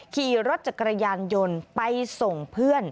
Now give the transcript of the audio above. ขี่รถจักรยานยนต์ไปส่งเพื่อน